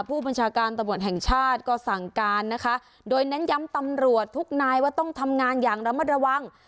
ผู้บัญชาการตำรวจแห่งชาติก็สั่งการนะคะโดยเน้นย้ำตำรวจทุกนายว่าต้องทำงานอย่างระมัดระวัง